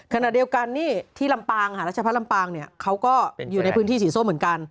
ขณะเดียวกันที่รัชภัฐลำปางนี่เขาก็อยู่ในพื้นที่สีโซ่เหมือนกัน